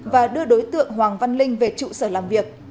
và đưa đối tượng hoàng văn linh về trụ sở làm việc